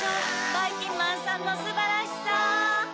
ばいきんまんさんのすばらしさ